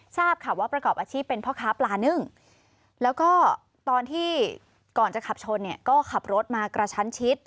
ทราบค่ะว่าประกอบอาชีพเป็นพ่อค้าปลานึ่งแล้วก็ตอนที่ก่อนจะขับชนเนี่ยก็ขับรถมากระชั้นชิด